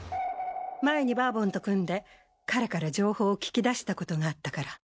前にバーボンと組んで彼から情報を聞き出したことがあったから。